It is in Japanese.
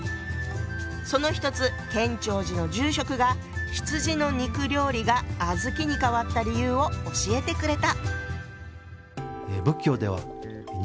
その一つ建長寺の住職が羊の肉料理が小豆に変わった理由を教えてくれた。